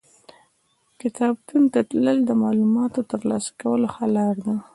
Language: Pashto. کتابتون ته تلل د معلوماتو ترلاسه کولو ښه لار ده.